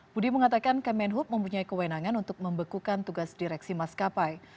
budi mengatakan kemenhub mempunyai kewenangan untuk membekukan tugas direksi maskapai